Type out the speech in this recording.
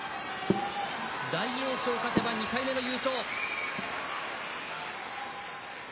大栄翔勝てば２回目の優勝。